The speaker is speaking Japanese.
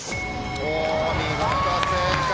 見事正解！